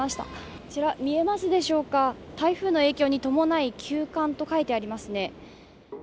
あちら、見えますでしょうか、台風の影響に伴い休館と書いてありますね。